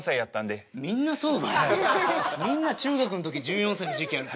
みんな中学の時１４歳の時期ある。